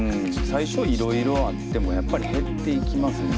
最初いろいろあってもやっぱり減っていきますね。